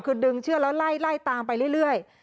คือดึงเชือกแล้วไล่ตามไปเรื่อย